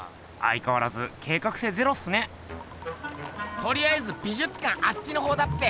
とりあえず美術館あっちのほうだっぺ。